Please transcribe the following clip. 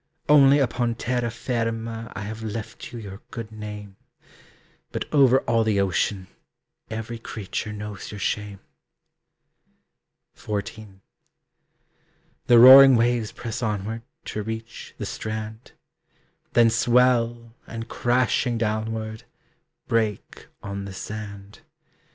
Only upon terra firma I have left you your good name; But over all the ocean Every creature knows your shame. XIV. The roaring waves press onward To reach the strand. Then swell, and, crashing downward, Break on the sand.